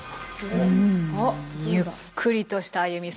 ゆっくりとした歩み。